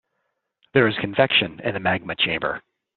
There is convection in the magma chamber.